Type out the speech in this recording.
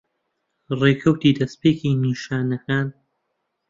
ڕێکەوتی دەستپێکی نیشانەکان